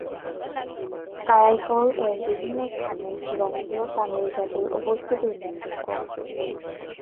কারাইকল-এর বিভিন্ন স্থানে শ্রীলঙ্কীয় তামিল জাতির উপস্থিতি উল্লেখযোগ্য।